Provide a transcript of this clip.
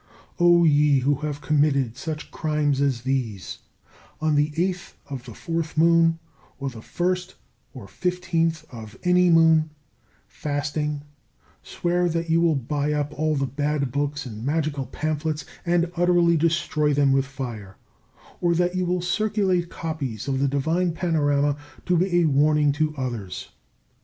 O ye who have committed such crimes as these, on the 8th of the 4th moon, or the 1st or 15th (of any moon), fasting swear that you will buy up all bad books and magical pamphlets and utterly destroy them with fire; or that you will circulate copies of the Divine Panorama to be a warning to others!